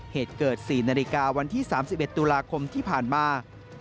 เหตุเกิด๔นาฬิกาวันที่๓๑ตุลาคมที่ผ่านมา